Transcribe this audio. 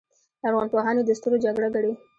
لرغونپوهان یې د ستورو جګړه ګڼي.